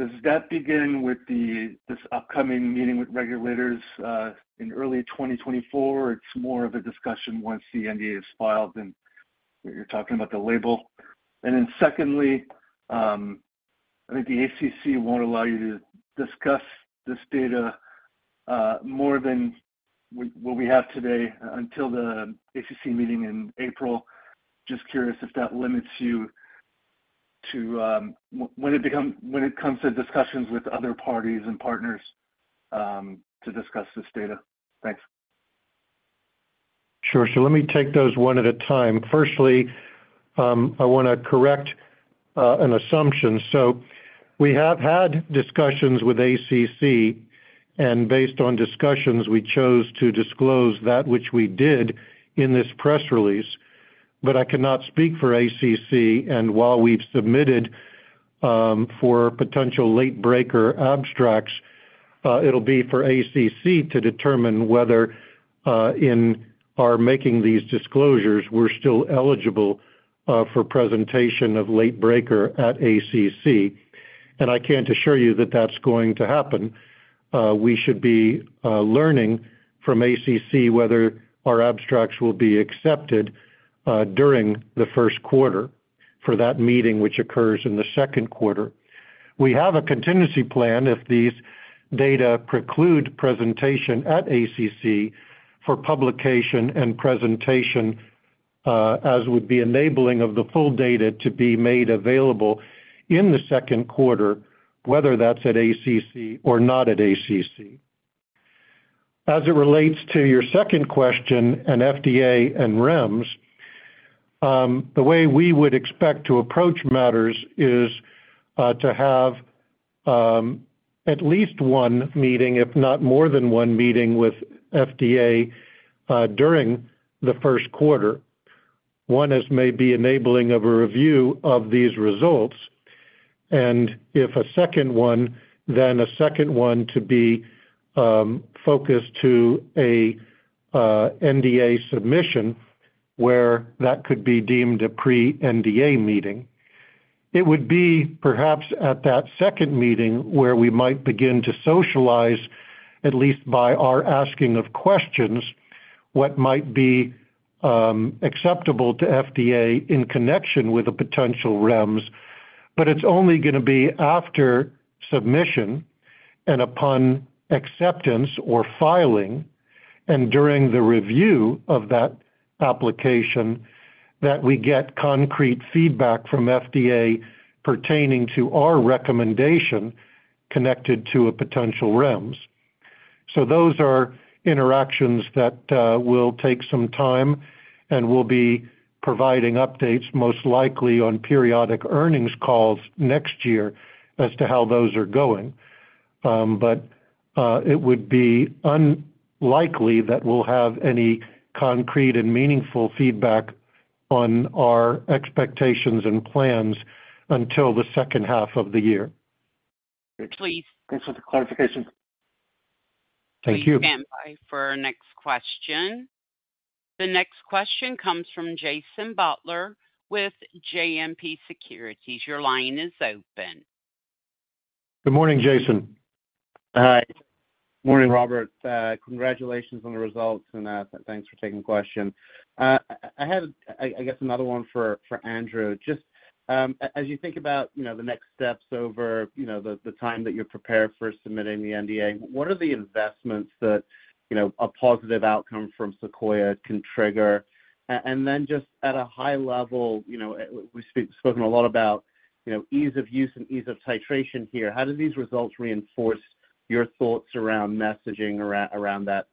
Does that begin with the, this upcoming meeting with regulators, in early 2024? It's more of a discussion once the NDA is filed and you're talking about the label. And then secondly, I think the ACC won't allow you to discuss this data, more than what, what we have today until the ACC meeting in April. Just curious if that limits you to, when it comes to discussions with other parties and partners, to discuss this data? Thanks. Sure. So let me take those one at a time. Firstly, I want to correct an assumption. So we have had discussions with ACC, and based on discussions, we chose to disclose that which we did in this press release. But I cannot speak for ACC, and while we've submitted for potential late breaker abstracts, it'll be for ACC to determine whether in our making these disclosures, we're still eligible for presentation of late breaker at ACC. And I can't assure you that that's going to happen. We should be learning from ACC whether our abstracts will be accepted during the first quarter for that meeting, which occurs in the second quarter. We have a contingency plan if these data preclude presentation at ACC for publication and presentation, as would be enabling of the full data to be made available in the second quarter, whether that's at ACC or not at ACC. As it relates to your second question on FDA and REMS, the way we would expect to approach matters is to have at least one meeting, if not more than one meeting, with FDA during the first quarter. One is maybe enabling of a review of these results, and if a second one, then a second one to be focused to a NDA submission, where that could be deemed a pre-NDA meeting. It would be perhaps at that second meeting, where we might begin to socialize, at least by our asking of questions, what might be acceptable to FDA in connection with a potential REMS. But it's only going to be after submission and upon acceptance or filing, and during the review of that application, that we get concrete feedback from FDA pertaining to our recommendation connected to a potential REMS. So those are interactions that will take some time, and we'll be providing updates most likely on periodic earnings calls next year as to how those are going. But it would be unlikely that we'll have any concrete and meaningful feedback on our expectations and plans until the second half of the year. Please. Thanks for the clarification. Thank you. Please stand by for our next question. The next question comes from Jason Butler with JMP Securities. Your line is open. Good morning, Jason. Hi. Morning, Robert. Congratulations on the results, and thanks for taking the question. I guess another one for Andrew. Just as you think about, you know, the next steps over the time that you're prepared for submitting the NDA, what are the investments that a positive outcome from SEQUOIA can trigger? And then just at a high level, you know, we've spoken a lot about ease of use and ease of titration here. How do these results reinforce your thoughts around messaging around that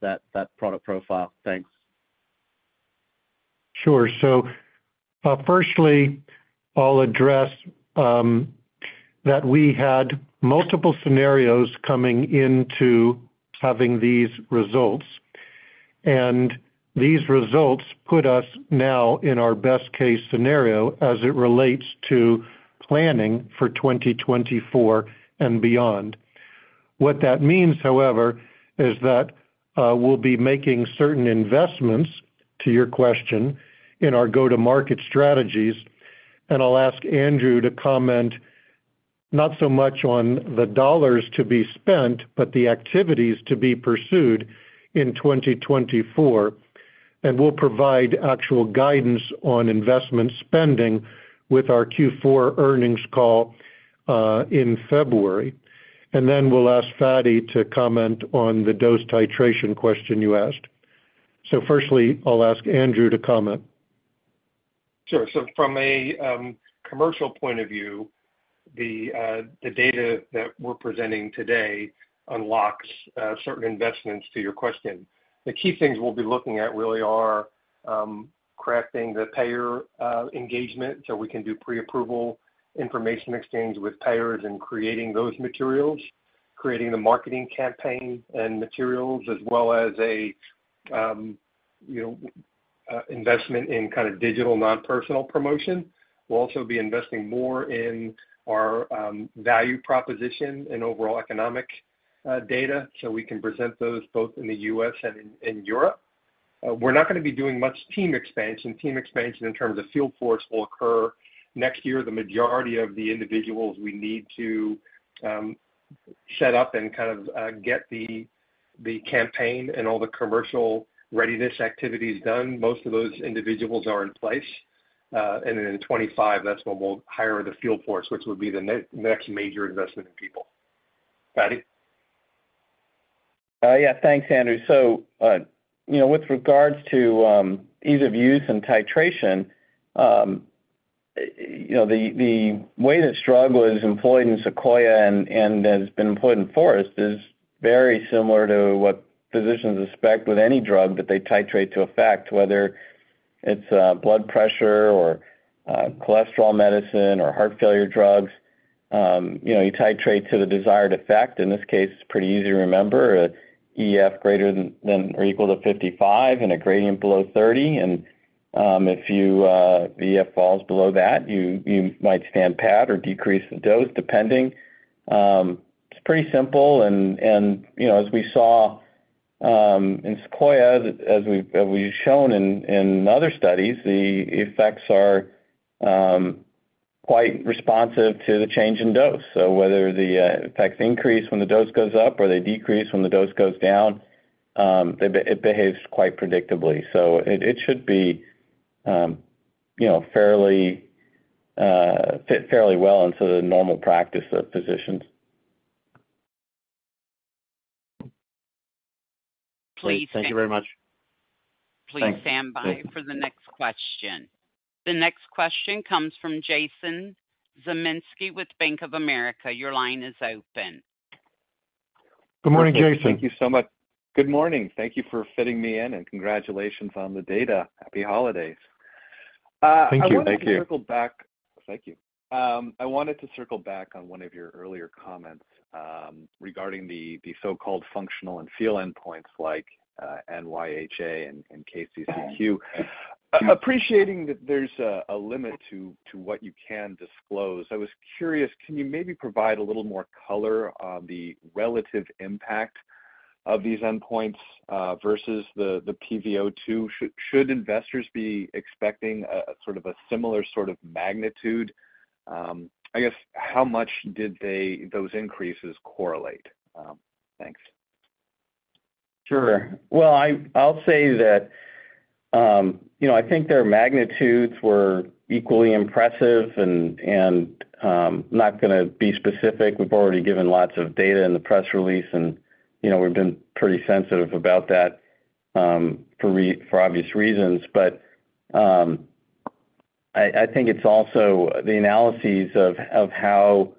product profile? Thanks. Sure. So, firstly, I'll address that we had multiple scenarios coming into having these results, and these results put us now in our best case scenario as it relates to planning for 2024 and beyond. What that means, however, is that we'll be making certain investments, to your question, in our go-to-market strategies, and I'll ask Andrew to comment not so much on the dollars to be spent, but the activities to be pursued in 2024, and we'll provide actual guidance on investment spending with our Q4 earnings call in February. And then we'll ask Fady to comment on the dose titration question you asked. So firstly, I'll ask Andrew to comment. Sure. So from a commercial point of view, the data that we're presenting today unlocks certain investments to your question. The key things we'll be looking at really are crafting the payer engagement, so we can do pre-approval information exchange with payers and creating those materials, creating the marketing campaign and materials, as well as a, you know, investment in kind of digital, non-personal promotion. We'll also be investing more in our value proposition and overall economic data, so we can present those both in the U.S. and in Europe.... We're not gonna be doing much team expansion. Team expansion in terms of field force will occur next year. The majority of the individuals we need to set up and kind of get the campaign and all the commercial readiness activities done, most of those individuals are in place. And then in 2025, that's when we'll hire the field force, which would be the next major investment in people. Fady? Yeah, thanks, Andrew. So, you know, with regards to ease of use and titration, you know, the way that aficamten is employed in SEQUOIA and has been employed in FOREST is very similar to what physicians expect with any drug that they titrate to effect, whether it's blood pressure or cholesterol medicine or heart failure drugs. You know, you titrate to the desired effect. In this case, it's pretty easy to remember, an EF greater than or equal to 55 and a gradient below 30. And, if you EF falls below that, you might stand pat or decrease the dose, depending. It's pretty simple, and you know, as we saw in SEQUOIA, as we've shown in other studies, the effects are quite responsive to the change in dose. So whether the effects increase when the dose goes up or they decrease when the dose goes down, it behaves quite predictably. So it should be, you know, fairly fit fairly well into the normal practice of physicians. Please- Thank you very much. Thanks. Please stand by for the next question. The next question comes from Jason Zemansky with Bank of America. Your line is open. Good morning, Jason. Thank you so much. Good morning. Thank you for fitting me in, and congratulations on the data. Happy holidays. Thank you. Thank you. I wanted to circle back... Thank you. I wanted to circle back on one of your earlier comments, regarding the so-called functional and feel endpoints like NYHA and KCCQ. Appreciating that there's a limit to what you can disclose, I was curious, can you maybe provide a little more color on the relative impact of these endpoints versus the peak VO2? Should investors be expecting a sort of a similar sort of magnitude? I guess, how much did they, those increases correlate? Thanks. Sure. Well, I'll say that, you know, I think their magnitudes were equally impressive and not gonna be specific. We've already given lots of data in the press release, and, you know, we've been pretty sensitive about that for obvious reasons. But, I think it's also the analyses of how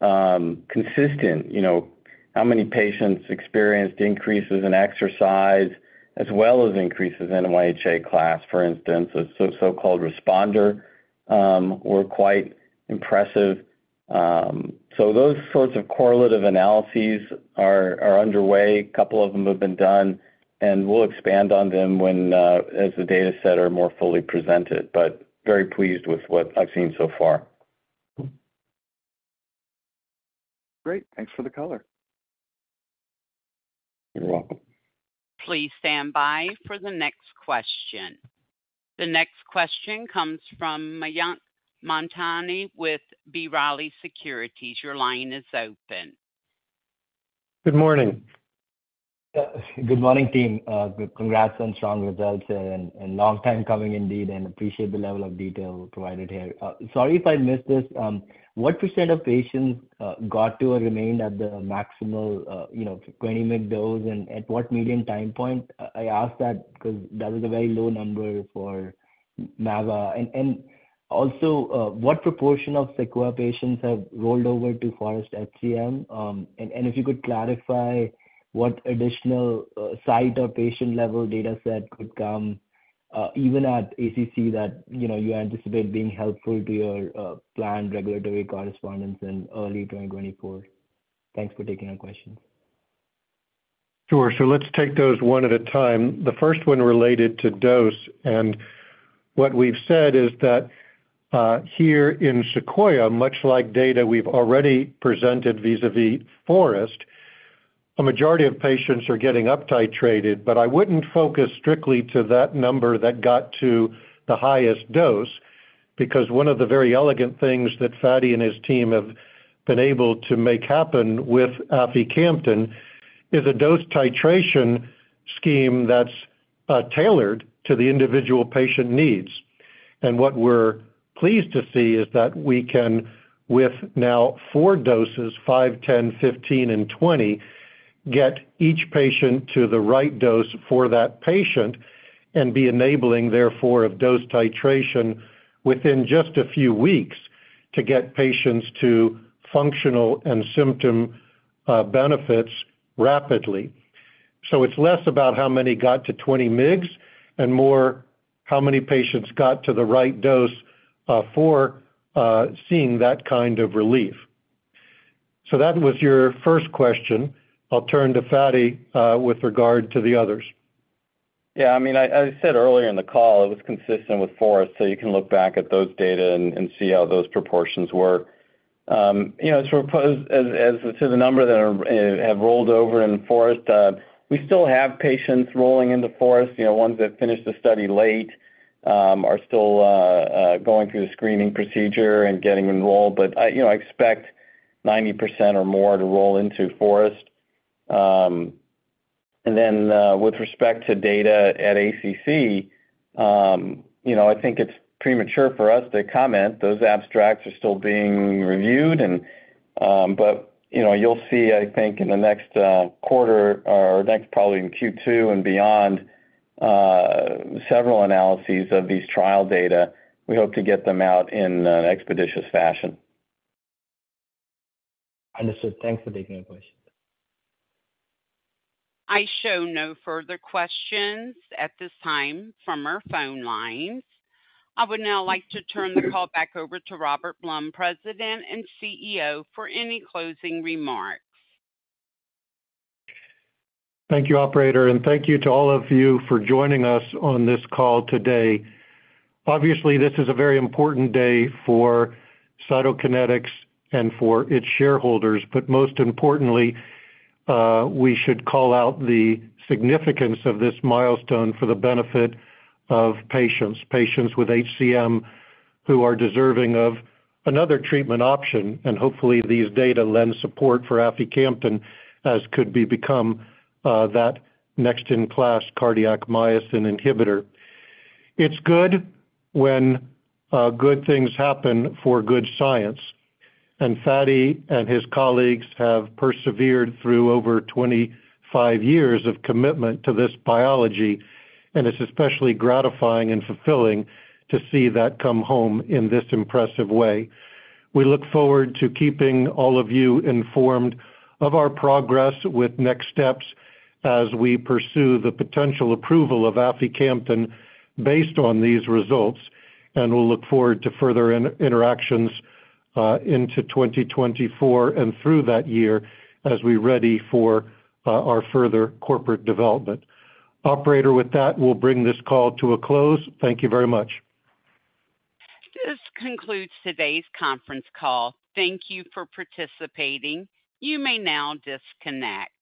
consistent, you know, how many patients experienced increases in exercise as well as increases in NYHA class, for instance, a so-called responder, were quite impressive. So those sorts of correlative analyses are underway. A couple of them have been done, and we'll expand on them when, as the data set are more fully presented, but very pleased with what I've seen so far. Great. Thanks for the color. You're welcome. Please stand by for the next question. The next question comes from Mayank Mamtani with B. Riley Securities. Your line is open. Good morning. Good morning, team. Congrats on strong results and long time coming indeed, and appreciate the level of detail provided here. Sorry if I missed this. What % of patients got to or remained at the maximal, you know, 20 mg dose, and at what median time point? I ask that because that was a very low number for mava. And also, what proportion of SEQUOIA-HCM patients have rolled over to FOREST-HCM? And if you could clarify what additional site or patient-level data set could come, even at ACC, that you know you anticipate being helpful to your planned regulatory correspondence in early 2024. Thanks for taking our questions. Sure, so let's take those one at a time. The first one related to dose, and what we've said is that, here in SEQUOIA, much like data we've already presented vis-a-vis FOREST, a majority of patients are getting uptitrated, but I wouldn't focus strictly to that number that got to the highest dose because one of the very elegant things that Fady and his team have been able to make happen with aficamten is a dose titration scheme that's tailored to the individual patient needs. And what we're pleased to see is that we can, with now four doses, 5, 10, 15, and 20, get each patient to the right dose for that patient and be enabling, therefore, of dose titration within just a few weeks to get patients to functional and symptom benefits rapidly. So it's less about how many got to 20 mgs and more how many patients got to the right dose, for seeing that kind of relief. So that was your first question. I'll turn to Fady with regard to the others. Yeah, I mean, as I said earlier in the call, it was consistent with FOREST, so you can look back at those data and see how those proportions were. You know, sort of, as to the number that have rolled over in FOREST, we still have patients rolling into FOREST. You know, ones that finished the study late are still going through the screening procedure and getting enrolled. But, you know, I expect 90% or more to roll into FOREST. And then, with respect to data at ACC, you know, I think it's premature for us to comment. Those abstracts are still being reviewed and, but, you know, you'll see, I think, in the next quarter or next, probably in Q2 and beyond, several analyses of these trial data. We hope to get them out in expeditious fashion. Understood. Thanks for taking my question. I show no further questions at this time from our phone lines. I would now like to turn the call back over to Robert Blum, President and CEO, for any closing remarks. Thank you, operator, and thank you to all of you for joining us on this call today. Obviously, this is a very important day for Cytokinetics and for its shareholders, but most importantly, we should call out the significance of this milestone for the benefit of patients, patients with HCM who are deserving of another treatment option. Hopefully, these data lend support for aficamten as could be become that next-in-class cardiac myosin inhibitor. It's good when good things happen for good science, and Fady and his colleagues have persevered through over 25 years of commitment to this biology, and it's especially gratifying and fulfilling to see that come home in this impressive way. We look forward to keeping all of you informed of our progress with next steps as we pursue the potential approval of aficamten based on these results, and we'll look forward to further in-interactions into 2024 and through that year as we ready for our further corporate development. Operator, with that, we'll bring this call to a close. Thank you very much. This concludes today's conference call. Thank you for participating. You may now disconnect.